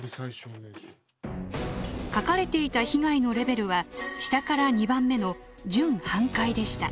書かれていた被害のレベルは下から２番目の「準半壊」でした。